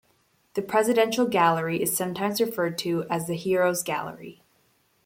The Presidential gallery is sometimes referred to as "The Heroes' Gallery".